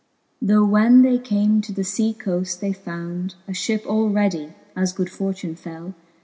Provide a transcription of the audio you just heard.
Tho when they came to the fea coaft, they found A fhip all readie, as good fortune fell.